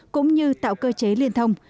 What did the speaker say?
cũng như tạo cơ chế liên thông